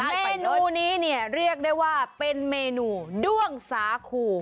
เมนูนี้เนี่ยเรียกได้ว่าเป็นเมนูด้วงสาคู